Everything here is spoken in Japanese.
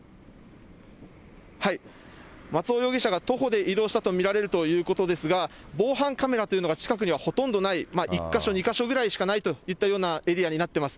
松尾容疑者が徒歩で移動したと見られるということですが、防犯カメラというのが近くにはほとんどない、１か所、２か所ぐらいしかないといったようなエリアとなっています。